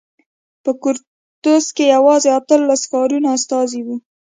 په کورتس کې یوازې اتلسو ښارونو استازي وو.